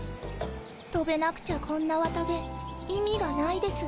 とべなくちゃこんな綿毛意味がないです。